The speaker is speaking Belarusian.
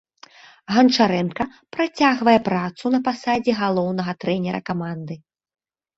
Ганчарэнка працягвае працу на пасадзе галоўнага трэнера каманды.